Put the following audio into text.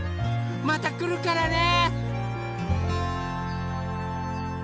またくるからね！